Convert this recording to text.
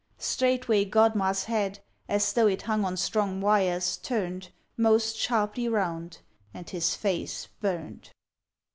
Straightway Godmar's head, As though it hung on strong wires, turn'd Most sharply round, and his face burn'd.